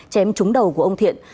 chém trúng đầu của ông thiện